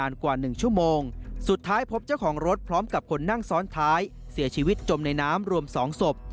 ส่วนน้ำเสียชีวิตจมในน้ำรวมสองศพ